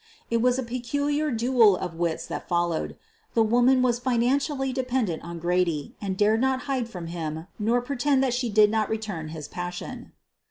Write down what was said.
It was a pe culiar duel of wits that followed. The woman was financially dependent on Grady and dared not hide from him nor pretend that she did not return his passion.